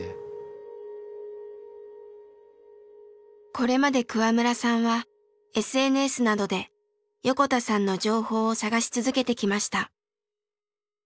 これまで桑村さんはＳＮＳなどで横田さんの情報を探し続けてきました。